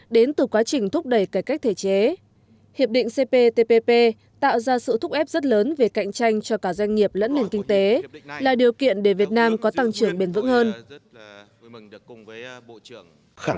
đến từ quá trình thúc đẩy cải cách thể chế hiệp định cptpp tạo ra sự thúc ép rất lớn về cạnh tranh cho cả doanh nghiệp lẫn nền kinh tế là điều kiện để việt nam có tăng trưởng bền vững hơn